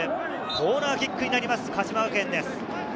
コーナーキックになります鹿島学園です。